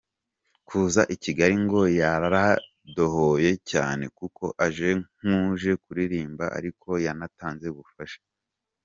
Kuza i Kigali ngo yaradohoye cyane kuko ‘aje nk’uje kuririmba ariko yanatanze ubufasha.